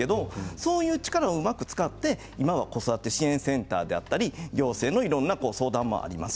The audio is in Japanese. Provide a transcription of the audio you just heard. そういう力をうまく使って今は子育て支援センターであったり行政のいろんな相談もあります。